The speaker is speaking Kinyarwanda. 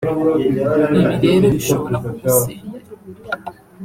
ibi rero bishobora kugusenyera